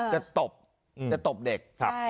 จะตบเด็ก